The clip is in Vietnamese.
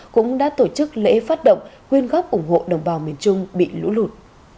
cũng đã tổ chức lễ phát động quyên góp ủng hộ đồng bào miền trung bị lũ lụt